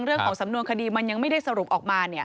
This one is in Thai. เรื่องของสำนวนคดีมันยังไม่ได้สรุปออกมา